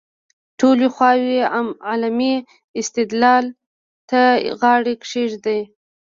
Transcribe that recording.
ټولې خواوې علمي استدلال ته غاړه کېږدي.